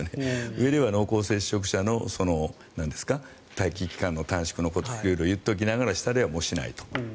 上では濃厚接触者の待機期間の短縮のこととかを言っておきながら下ではもうしないと。